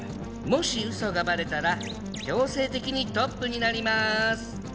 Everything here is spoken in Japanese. もし嘘がバレたら強制的にトップになります。